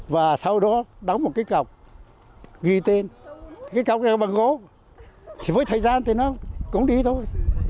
và sau đó đóng một cái cọc ghi tên cái cọc keo bằng gỗ thì với thời gian thì nó cũng đi thôi